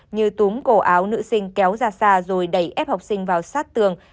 như túm cổ áo nữ sinh kéo ra xa rồi đẩy ép học sinh vào sát tường